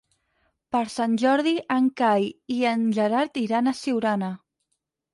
Per Sant Jordi en Cai i en Gerard iran a Siurana.